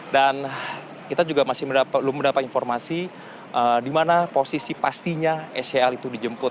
dan kita juga masih belum mendapatkan informasi di mana posisi pastinya scl itu dijemput